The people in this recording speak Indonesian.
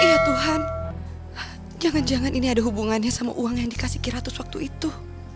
ya tuhan jangan jangan ini ada hubungannya sama uang yang dikasih kiratus waktu itu